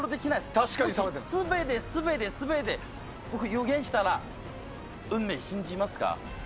全て全て全て予言したら運命信じますか？